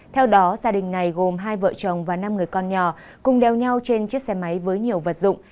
theo đó gia đình này gồm hai vợ chồng và năm người con nhỏ cùng đeo nhau trên chiếc xe máy với nhiều vật dụng